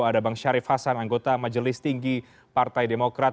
ada bang syarif hasan anggota majelis tinggi partai demokrat